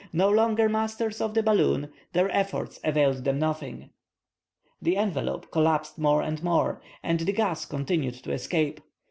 No longer masters of the balloon, their efforts availed them nothing. The envelope collapsed more and more, and the gas continued to escape.